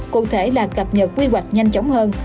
cụ thể là cập nhật quy hoạch nhanh chóng hơn